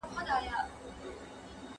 ما خپله لنګۍ د ورزش پر مهال په سر وتړله.